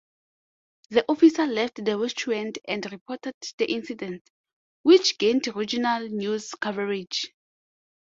The officer left the restaurant and reported the incident, which gained regional news coverage.